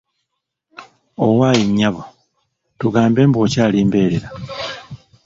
Owaaye nnyabo, tugambe mbu okyali mbeerera?